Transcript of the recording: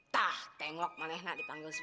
tengok mana yang dipanggil suki